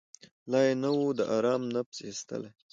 لا یې نه وو د آرام نفس ایستلی